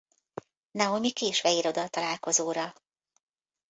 Naomi késve ér oda a találkozóra.